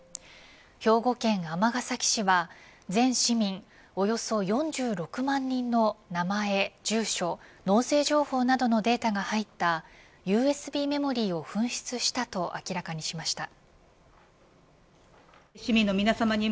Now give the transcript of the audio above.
兵庫県尼崎市は全市民およそ４６万人の名前、住所、納税情報などのデータが入ったＵＳＢメモリーを紛失したと明らかにしました。